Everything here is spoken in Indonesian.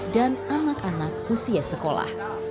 dan anak anak usia sekolah